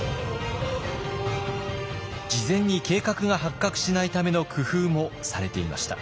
事前に計画が発覚しないための工夫もされていました。